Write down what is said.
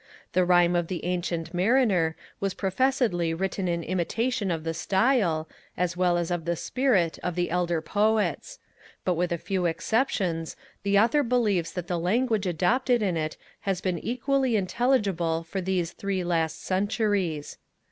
The Rime of the Ancyent Marinere was professedly written in imitation of the style, as well as of the spirit of the elder poets; but with a few exceptions, the Author believes that the language adopted in it has been equally intelligible for these three last centuries.